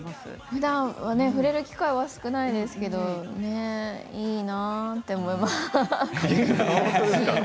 ふだんは触れる機会が少ないですけれどいいなと思います。